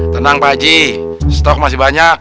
tenang pakji stok masih banyak